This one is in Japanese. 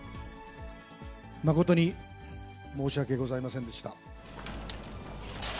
誠に申し訳ございませんでした。